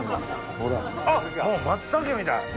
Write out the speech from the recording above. あっもう松茸みたい。